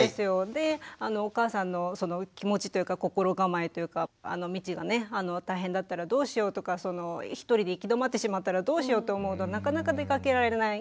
でお母さんのその気持ちというか心構えというか道が大変だったらどうしようとか一人で行き止まってしまったらどうしようって思うとなかなか出かけられない。